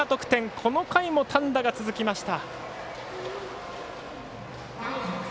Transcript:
この回も単打が続きました。